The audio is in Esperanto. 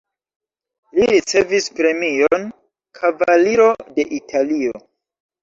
Li ricevis premion "Kavaliro de Italio".